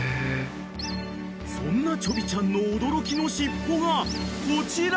［そんなチョビちゃんの驚きの尻尾がこちら！］